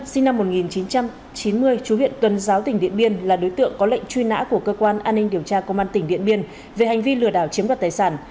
cà văn ngân là đối tượng có lệnh truy nã của cơ quan an ninh điều tra công an tỉnh điện biên về hành vi lừa đảo chiếm bắt tài sản